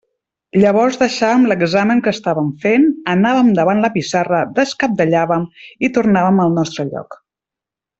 Llavors deixàvem l'examen que estàvem fent, anàvem davant la pissarra, descabdellàvem, i tornàvem al nostre lloc.